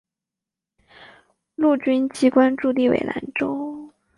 陆军机关驻地为兰州。